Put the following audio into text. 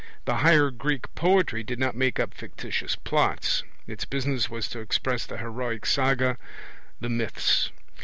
The higher Greek poetry did not make up fictitious plots; its business was to express the heroic saga, the myths.